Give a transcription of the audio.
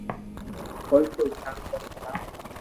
ڪوئي تو خيال ڪر ڀلا